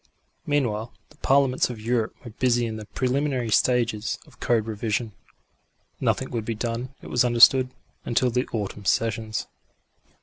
Meanwhile the Parliaments of Europe were busy in the preliminary stages of code revision. Nothing would be done, it was understood, until the autumn sessions.